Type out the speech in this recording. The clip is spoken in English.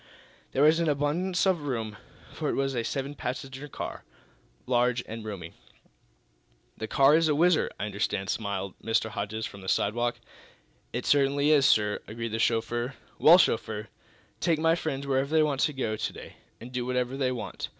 There was an abundance of room, for it was a seven passenger car, large and roomy. "This car is a whizzer, I understand," smiled Mr. Hodges, from the sidewalk. "It certainly is, sir," agreed the chauffeur. "Well, chauffeur, take my friends wherever they want to go to day, and do whatever they want.